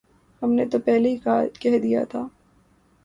ہم نے تو پہلے ہی کہہ دیا تھا۔